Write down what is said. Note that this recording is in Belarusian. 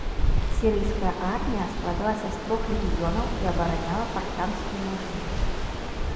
Сірыйская армія складалася з трох легіёнаў і абараняла парфянскую мяжу.